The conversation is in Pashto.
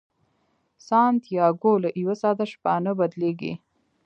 سانتیاګو له یوه ساده شپانه بدلیږي.